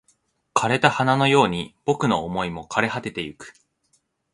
枯れた花のように僕の想いも枯れ果ててゆく